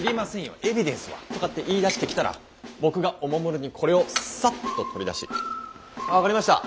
エビデンスは？」とかって言いだしてきたら僕がおもむろにこれをサッと取り出し「分かりました！